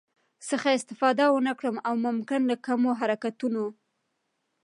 څخه استفاده ونکړم او ممکن له کمو حرکتونو